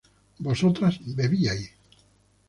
vosotras bebíais